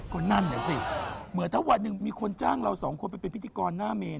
ก็นั่นน่ะสิเหมือนถ้าวันหนึ่งมีคนจ้างเราสองคนไปเป็นพิธีกรหน้าเมน